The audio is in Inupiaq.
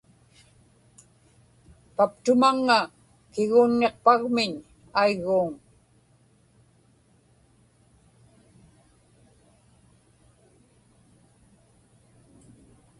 paptumaŋŋa kiguunniqpagmiñ aigguuŋ